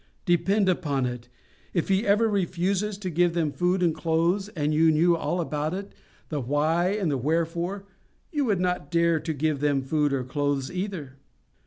Depend upon it, if He ever refuses to give them food and clothes, and you knew all about it, the why and the wherefore, you would not dare to give them food or clothes either.